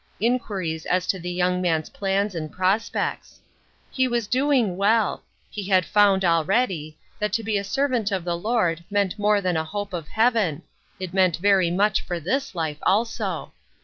Inquiries as to the young man's plans and prospects. He was doing well ; he had found, already, that to be a servant of the Lord, meant more than a hope of Heaven ; it meant very much for this life also.